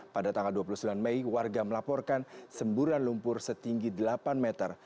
pada tanggal dua puluh sembilan mei warga melaporkan semburan lumpur setinggi delapan meter